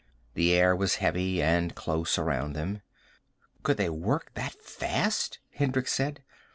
The air was heavy and close around them. "Could they work that fast?" Hendricks said.